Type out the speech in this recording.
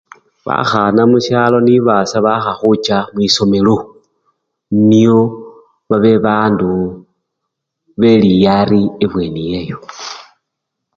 Bakhana musyalo nibasya bakha khucha mwisomelo nio babe bandu beliyari ebweni eyeyo.